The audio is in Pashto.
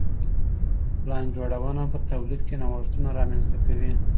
پلان جوړونه په توليد کي نوښتونه رامنځته کوي.